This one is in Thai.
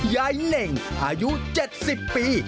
ยายเหล่งอายุ๗๐ปี